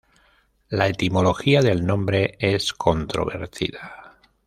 La etimología del nombre es controvertida.